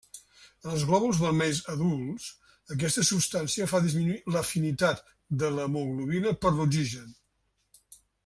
En els glòbuls vermells adults, aquesta substància fa disminuir l’afinitat de l’hemoglobina per l’oxigen.